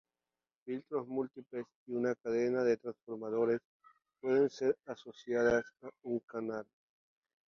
Filtros múltiples y una cadena de transformadores pueden ser asociadas a un canal.